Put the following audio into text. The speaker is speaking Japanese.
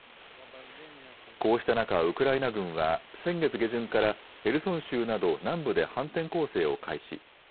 こうした中、ウクライナ軍は先月下旬からヘルソン州など南部で反転攻勢を開始。